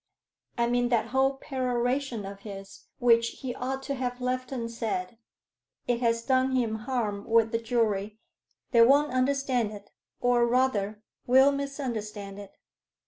I mean that whole peroration of his, which he ought to have left unsaid. It has done him harm with the jury they won't understand it, or rather will misunderstand it.